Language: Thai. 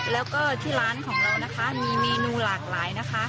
แล้วก็ที่ร้านของเรานะคะมีเมนูหลากหลายนะคะ